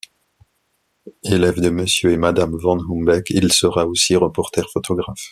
Élève de Mr et Mme van Humbeek, il sera aussi reporter-photographe.